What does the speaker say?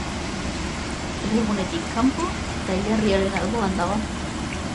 Herrigunetik kanpo eta hilerriaren alboan dago.